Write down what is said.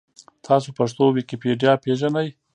تاسو پښتو ویکیپېډیا پېژنۍ؟